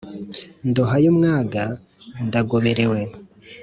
ndoha y’umwaga ndagoberewe